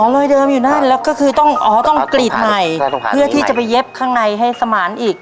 รอยเดิมอยู่นั่นแล้วก็คือต้องอ๋อต้องกรีดใหม่เพื่อที่จะไปเย็บข้างในให้สมานอีก